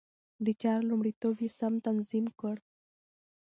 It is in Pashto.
د چارو لومړيتوب يې سم تنظيم کړ.